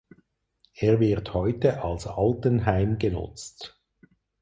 Er wird heute als Altenheim genutzt.